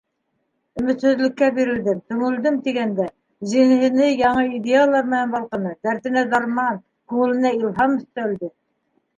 Өмөтһөҙлөккә бирелдем, төңөлдөм тигәндә, зиһене яңы идеялар менән балҡыны, дәртенә дарман, күңеленә илһам өҫтәлде.